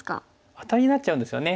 アタリになっちゃうんですよね。